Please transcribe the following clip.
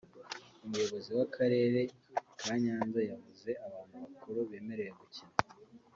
Umuyobozi w’Akarere ka Nyanza yavuze abantu bakuru bemerewe gukina